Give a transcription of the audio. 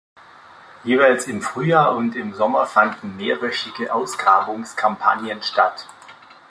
Jeweils im Frühjahr und im Sommer fanden mehrwöchige Ausgrabungskampagnen statt.